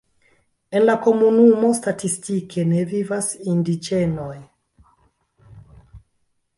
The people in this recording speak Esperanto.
En la komunumo statistike ne vivas indiĝenoj.